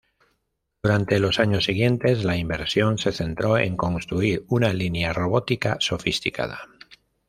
Durante los años siguientes, la inversión se centró en construir una línea robótica sofisticada.